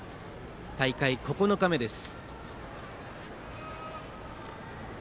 大会９日目です。